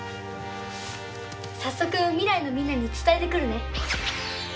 早速未来のみんなに伝えてくるね。